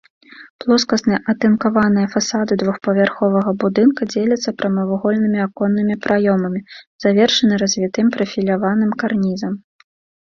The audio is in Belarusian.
Плоскасныя атынкаваныя фасады двухпавярховага будынка дзеляцца прамавугольнымі аконнымі праёмамі, завершаны развітым прафіляваным карнізам.